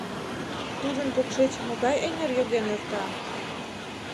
— Тудын покшеч могай эҥер йоген эрта?